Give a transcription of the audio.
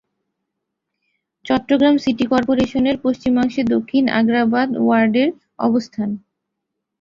Chittagong city কর্পোরেশনের পশ্চিমাংশে দক্ষিণ আগ্রাবাদ ওয়ার্ডের অবস্থান।